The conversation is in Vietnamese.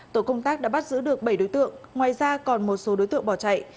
tổ công tác đã bắt giữ được bảy đối tượng ngoài ra còn một số đối tượng bỏ chạy